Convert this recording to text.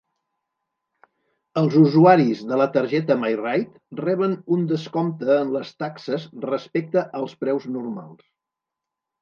Els usuaris de la targeta MyRide reben un descompte en les taxes respecte als preus normals.